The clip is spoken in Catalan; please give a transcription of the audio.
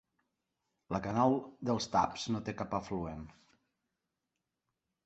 La Canal dels Tubs no té cap afluent.